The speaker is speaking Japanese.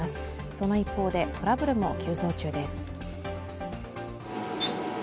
その一方で、トラブルも急増中です